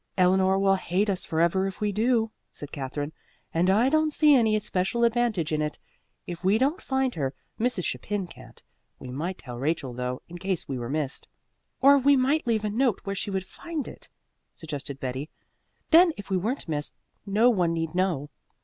"Eleanor will hate us forever if we do," said Katherine, "and I don't see any special advantage in it. If we don't find her, Mrs. Chapin can't. We might tell Rachel though, in case we were missed." "Or we might leave a note where she would find it," suggested Betty. "Then if we weren't missed no one need know."